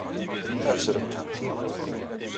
Ad trebḥemt.